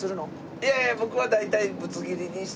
いやいや僕は大体ぶつ切りにして。